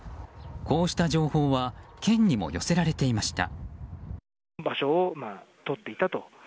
こうした情報は県にも寄せられていました。